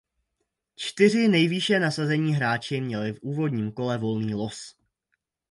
Čtyři nejvýše nasazení hráči měli v úvodním kole volný los.